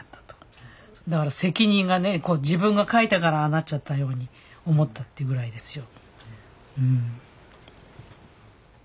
だから責任がね自分が書いたからああなっちゃったように思ったっていうぐらいですよ。